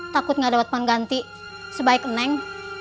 takut gak dapat pengganti sebaik neng